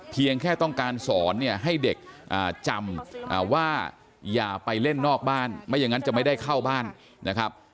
เพียงแค่ต้องการสอนเนี่ยให้เด็กจำว่าอย่าไปเล่นนอกบ้านไม่อย่างนั้นจะไม่ได้เข้าบ้านนะครับ